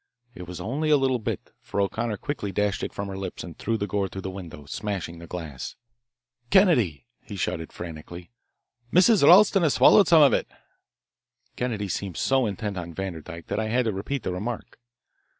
It was only a little bit, for O'Connor quickly dashed it from her lips and threw the gourd through the window, smashing the glass. "Kennedy," he shouted frantically, "Mrs. Ralston has swallowed some of it." Kennedy seemed so intent on Vanderdyke that I had to repeat the remark.